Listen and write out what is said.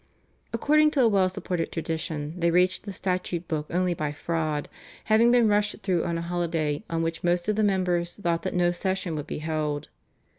According to a well supported tradition they reached the statute book only by fraud, having been rushed through on a holiday, on which most of the members thought that no session would be held.